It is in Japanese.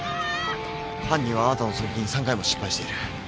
犯人はあなたの狙撃に３回も失敗している。